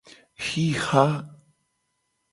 Xixa.